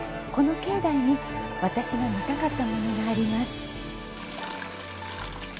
この境内に私が見たかったものがあります。